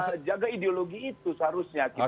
kita jaga ideologi itu seharusnya kita